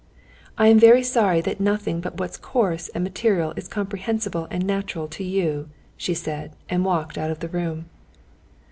"I am very sorry that nothing but what's coarse and material is comprehensible and natural to you," she said and walked out of the room.